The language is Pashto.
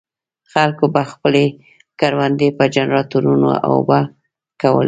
خلکو به خپلې کروندې په جنراټورونو اوبه کولې.